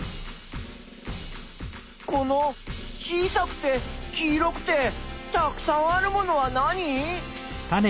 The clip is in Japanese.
この小さくて黄色くてたくさんあるものは何？